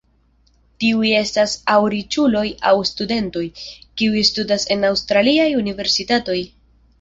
Tiuj estas aŭ riĉuloj aŭ studentoj, kiuj studas en aŭstraliaj universitatoj.